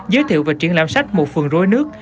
giới thiệu và triển lãm sách một phần rối nước